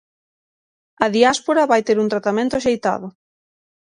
A diáspora vai ter un tratamento axeitado.